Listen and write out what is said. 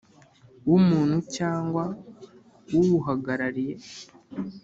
W umuntu cyangwa uw umuhagarariye